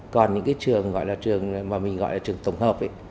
còn những cái trường gọi là trường mà mình gọi là trường tổng hợp ấy